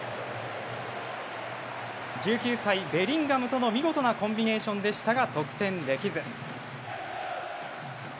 １９歳、ベリンガムとの見事なコンビネーションでしたが得点できず。